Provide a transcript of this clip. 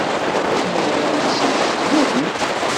Imawlan-nsen ḥemmlen-k.